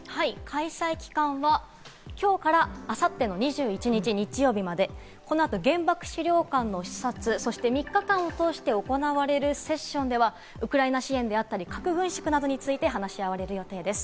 開催期間はきょうから明後日の２１日・日曜日まで、このあと原爆資料館の視察、そして３日間を通して行われるセッションでは、ウクライナ支援であったり核軍縮などについて話し合われる予定です。